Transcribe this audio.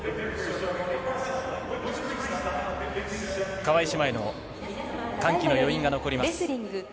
川井姉妹の歓喜の余韻が残ります。